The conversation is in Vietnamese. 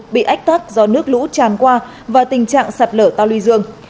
bị ách tắc do nước lũ tràn qua và tình trạng sạt lở tàu lưu dương